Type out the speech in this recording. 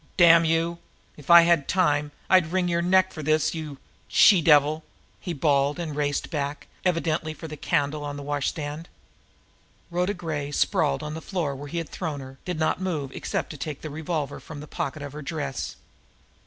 "Damn you, if I had time, I'd wring your neck for this, you she devil!" he bawled and raced back, evidently for the candle on the washstand. Rhoda Gray, sprawled on the floor where he had thrown her, did not move except to take the revolver from the pocket of her dress.